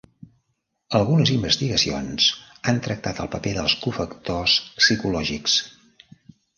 Algunes investigacions han tractat el paper dels cofactors psicològics.